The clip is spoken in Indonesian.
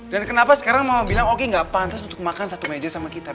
dan kenapa sekarang mama bilang oki gak pantes untuk makan satu meja sama kita